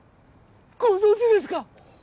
ご存じですか？